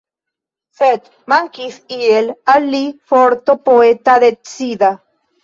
Sed mankis iel al li forto poeta decida.